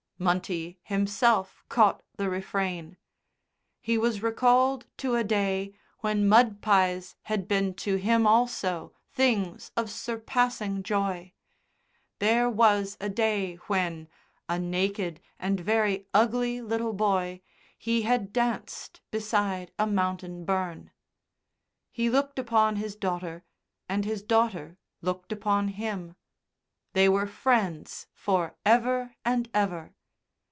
Munty himself caught the refrain. He was recalled to a day when mud pies had been to him also things of surpassing joy. There was a day when, a naked and very ugly little boy, he had danced beside a mountain burn. He looked upon his daughter and his daughter looked upon him; they were friends for ever and ever.